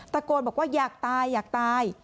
ตะโกนบอกว่าอยากตาย